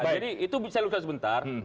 jadi itu saya lupa sebentar